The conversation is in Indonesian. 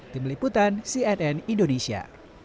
tim liputan cnn indonesia